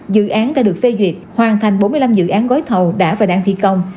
dự án đã được phê duyệt hoàn thành bốn mươi năm dự án gói thầu đã và đang thi công